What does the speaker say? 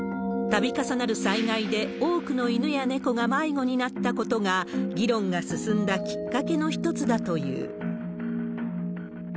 たび重なる災害で、多くの犬や猫が迷子になったことが、議論が進んだきっかけの一つだという。